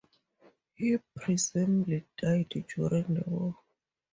He presumably died during the war.